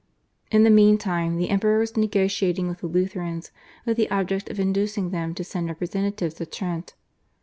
In the meantime the Emperor was negotiating with the Lutherans with the object of inducing them to send representatives to Trent.